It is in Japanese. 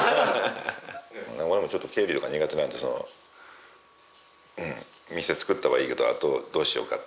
俺もちょっと経理とか苦手なんで店作ったはいいけどあとどうしようかって。